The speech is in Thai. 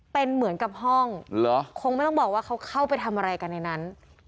เป็นเหมือนกับห้องคงไม่ต้องบอกว่าเขาเข้าไปทำอะไรกันในนั้น